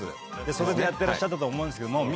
それでやってらっしゃったと思うんですけども。